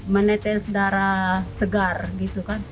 menetes darah segar gitu kan